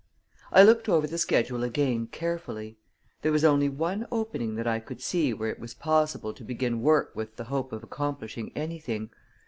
I looked over the schedule again carefully. There was only one opening that I could see where it was possible to begin work with the hope of accomplishing anything.